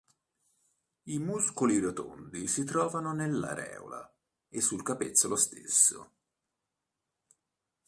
I muscoli rotondi si trovano nell'areola e sul capezzolo stesso.